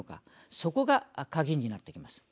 そこが鍵になってきます。